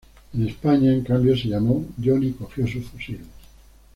En España en cambio se llamaron "Johnny cogió su fusil".